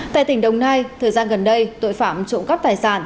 tại tỉnh đồng nai thời gian gần đây tội phạm trộm cắp tài sản